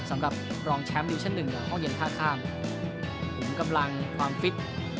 สำหรับรองแชมป์ดิวิชั่นหนึ่งกับห้องเย็นท่าข้ามผมกำลังความฟิต